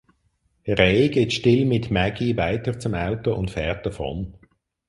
Ray geht still mit Maggie weiter zum Auto und fährt davon.